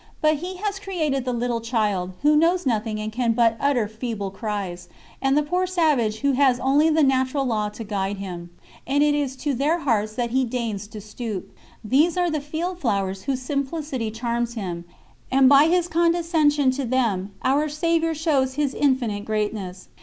But He has created the little child, who knows nothing and can but utter feeble cries, and the poor savage who has only the natural law to guide him, and it is to their hearts that He deigns to stoop. These are the field flowers whose simplicity charms Him; and by His condescension to them Our Saviour shows His infinite greatness.